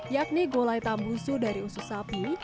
yakni gulai tambusu dari usus sapi